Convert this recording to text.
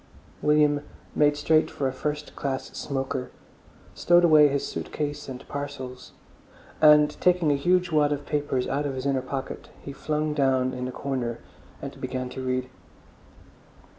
William made straight for a first class smoker, stowed away his suit case and parcels, and taking a huge wad of papers out of his inner pocket, he flung down in the corner and began to read.